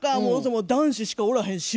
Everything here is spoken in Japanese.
もう男子しかおらへん島。